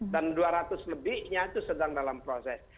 dan dua ratus lebihnya itu sedang dalam proses